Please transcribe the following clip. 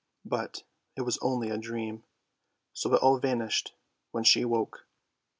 But it was only a dream; so it all vanished when she woke.